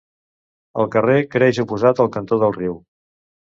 El carrer creix oposat al cantó del riu.